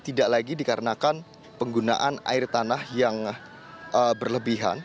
tidak lagi dikarenakan penggunaan air tanah yang berlebihan